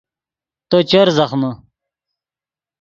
تو چر زخمے